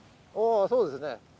おぉそうですね。